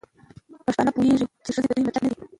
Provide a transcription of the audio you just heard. پښتانه پوهيږي، چې ښځې د دوی ملکيت نه دی